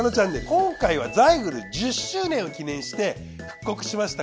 今回はザイグル１０周年を記念して復刻しました